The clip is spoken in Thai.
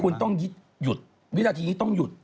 คุณต้องหยุดวินาทีนี้ต้องหยุด